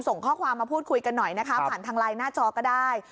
ส่งข้อความมาพูดคุยกันหน่อยนะคะผ่านทางไลน์หน้าจอก็ได้